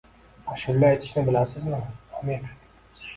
— Аshula aytishni bilasizmi, Аmir?